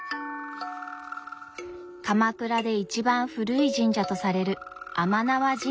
鎌倉で一番古い神社とされる甘縄神社。